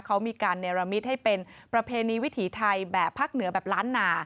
เขามีการเนรมิตให้เป็นประเพณีวิถีไทยแบบภาคเหนือแบบล้านนา